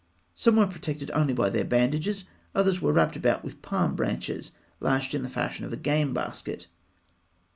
Some were protected only by their bandages; others were wrapped about with palm branches, lashed in the fashion of a game basket.